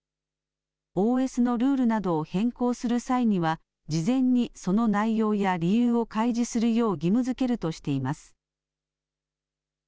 ＯＳのルールなどを変更する際には事前にその内容や理由を開示するよう義務づけるとしています